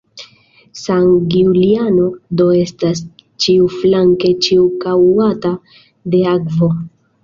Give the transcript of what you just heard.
San Giuliano do estas ĉiuflanke ĉirkaŭata de akvo.